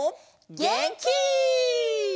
げんき！